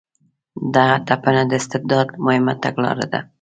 دغه تپنه د استبداد مهمه تګلاره ده.